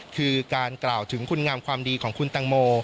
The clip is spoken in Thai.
คือการกล่าวถึงคุณงามความดีของคุณตังโม